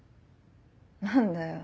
何だよ？